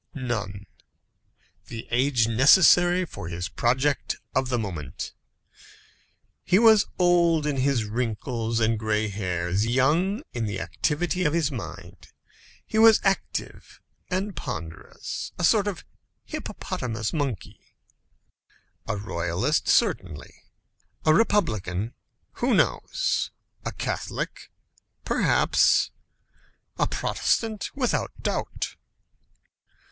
None. The age necessary for his project of the moment. He was old in his wrinkles and gray hairs, young in the activity of his mind. He was active and ponderous; a sort of hippopotamus monkey. A royalist, certainly; a republican who knows? a Catholic, perhaps; a Protestant, without doubt.